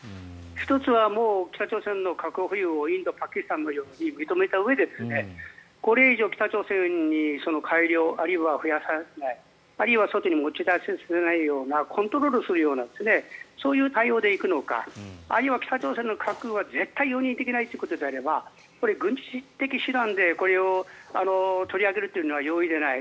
１つは北朝鮮の核保有をインドパキスタンのように認めたうえでこれ以上、北朝鮮に改良あるいは増やさないあるいは外に持ち出させないようなコントロールするようなそういう対応で行くのかあるいは北朝鮮の核は絶対容認できないということであれば軍事的手段でこれを取り上げるというのは容易ではない。